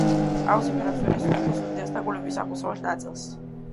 აუზი ფარავს ვენესუელის უდიდეს და კოლუმბიის აღმოსავლეთ ნაწილს.